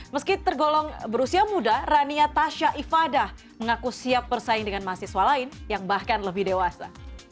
meski tergolong berusia muda rania tasha ifadah mengaku siap bersaing dengan mahasiswa lain yang bahkan lebih dewasa